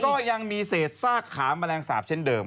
ก็ยังมีเศษซากขาแมลงสาปเช่นเดิม